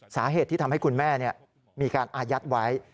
สาเหตุที่ทำให้คุณแม่มีการอายัดไว้